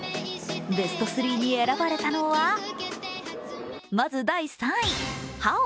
ベスト３に選ばれたのはまず第３位、「好ハオ」。